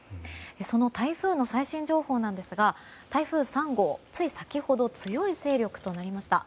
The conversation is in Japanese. その台風の最新情報なんですが台風３号、つい先ほど強い勢力となりました。